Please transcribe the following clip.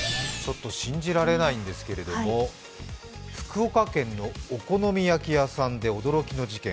信じられないんですけども福岡県のお好み焼き屋さんで驚きの事件。